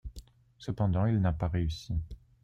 Cependant, il n'a pas réussi.